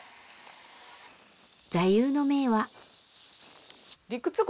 座右の銘は。